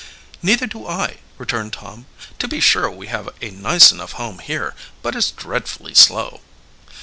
"Neither do I," returned Tom. "To be sure, we have a nice enough home here, but it's dreadfully slow."